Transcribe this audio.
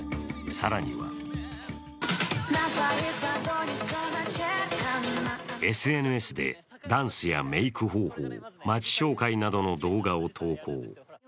更にはＳＮＳでダンスやメイク方法、街紹介などの動画を投稿。